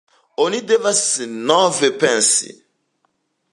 Oni devas nove pensi.